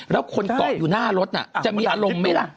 แล้วคนเกาะอยู่หน้ารถจะมีอารมณ์ไหมล่ะ